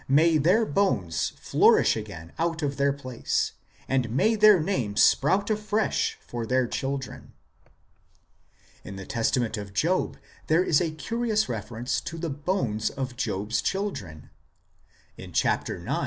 may their bones flourish again out of their place, and may their name sprout afresh for their children." In the Testament of Job 1 there is a curious reference to the bones of Job s children ; in chap. ix.